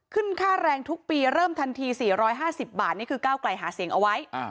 ค่าแรงทุกปีเริ่มทันที๔๕๐บาทนี่คือก้าวไกลหาเสียงเอาไว้